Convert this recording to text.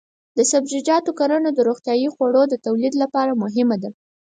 د سبزیجاتو کرنه د روغتیايي خوړو د تولید لپاره مهمه ده.